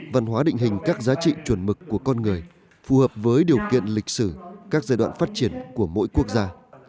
văn hóa định hình các giá trị chuẩn mực của con người phù hợp với điều kiện lịch sử các giai đoạn phát triển của mỗi quốc gia